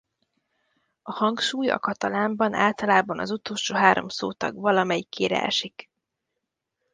A hangsúly a katalánban általában az utolsó három szótag valamelyikére esik.